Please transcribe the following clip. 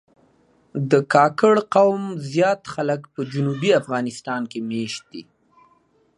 د کاکړ قوم زیات خلک په جنوبي افغانستان کې مېشت دي.